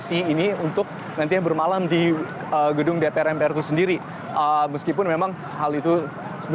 istirahat dulu ya